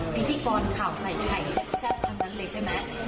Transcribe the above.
พิธีกรข่าวใส่ไข่แซ่บทั้งนั้นเลยใช่ไหม